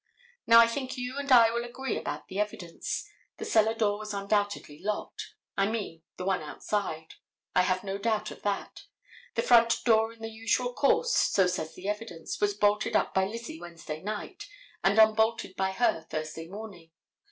Now I think you and I will agree about the evidence. The cellar door was undoubtedly locked; I mean the one outside. I have no doubt of that. The front door in the usual course, so says the evidence, was bolted up by Lizzie Wednesday night and unbolted by her Thursday morning.